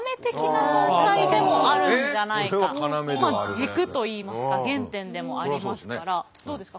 軸と言いますか原点でもありますからどうですか？